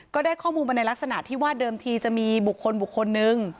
ก็ได้ข้อมูลมาในลักษณะที่ว่าเดิมทีจะมีบุคคลบุคคลนึง